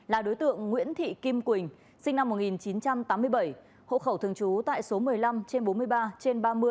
là đối tượng nguyễn thị kim quỳnh sinh năm một nghìn chín trăm tám mươi bảy hộ khẩu thường trú tại số một mươi năm trên bốn mươi ba trên ba mươi